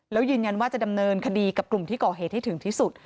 แล้วยืนยันว่าจะดำเนินคดีกับกลุ่มที่ก่อเหตุให้ถึงที่สุด